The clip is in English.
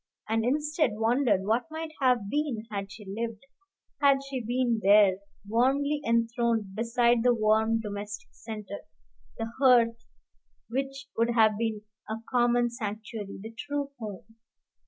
and instead wondered what might have been had she lived, had she been there, warmly enthroned beside the warm domestic centre, the hearth which would have been a common sanctuary, the true home.